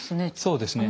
そうですね